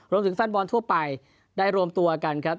แฟนบอลทั่วไปได้รวมตัวกันครับ